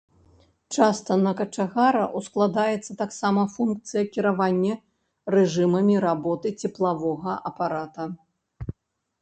Часта на качагара ускладаецца таксама функцыя кіравання рэжымамі работы цеплавога апарата.